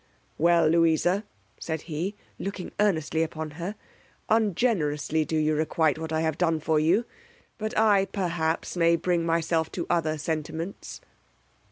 Well, Louisa, said he, looking earnestly upon her, ungenerously do you requite what I have done for you; but I, perhaps, may bring myself to other sentiments.